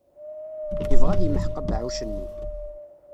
Yebɣa ad yemḥeq abeɛɛuc-nni.